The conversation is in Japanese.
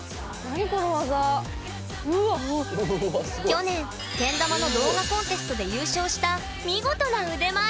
去年けん玉の動画コンテストで優勝した見事な腕前！